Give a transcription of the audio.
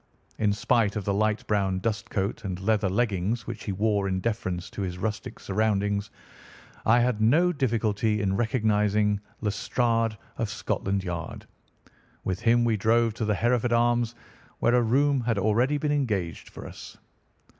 In spite of the light brown dustcoat and leather leggings which he wore in deference to his rustic surroundings, I had no difficulty in recognising Lestrade, of Scotland Yard. With him we drove to the Hereford Arms where a room had already been engaged for us.